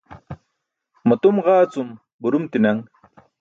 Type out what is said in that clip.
Matum ġaa cum burum ti̇naṅ.